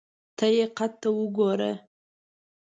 ته یې قد ته وګوره !